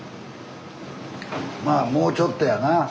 まあもうちょっとやな。